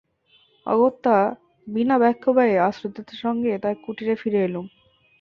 অগত্যা বিনা বাক্যব্যয়ে আশ্রয়দাতার সঙ্গে তার কুটীরে ফিরে এলুম।